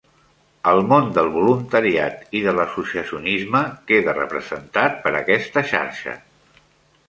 El món del voluntariat i de l’associacionisme queda representat per aquesta xarxa.